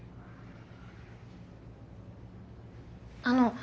あの。